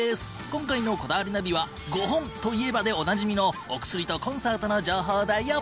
今回の『こだわりナビ』は「ゴホン！といえば」でおなじみのお薬とコンサートの情報だよ。